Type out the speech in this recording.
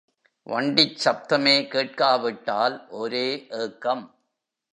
வண்டிச் சப்தமே கேட்காவிட்டால் ஒரே ஏக்கம்.